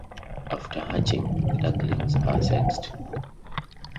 After hatching, the ducklings are sexed.